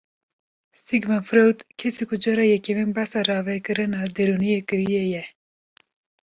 Sigmund Freud kesê ku cara yekemîn behsa ravekirina derûniyê kiriye ye.